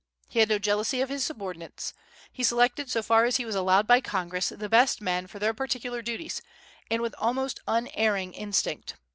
He had no jealousy of his subordinates. He selected, so far as he was allowed by Congress, the best men for their particular duties, and with almost unerring instinct.